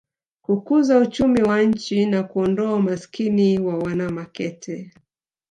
kukuza uchumi wa nchi na kuondoa umasikini wa wana Makete